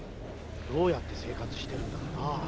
どうやって生活してるんだろうなあ。